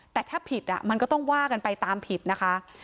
แต่ถ้าผิดมันก็ต้องว่ากันไปตามผิดนะคะ